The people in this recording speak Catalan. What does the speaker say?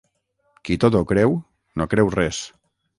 Qui tot ho creu, no creu res.